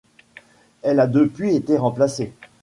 Elle a depuis été remplacée.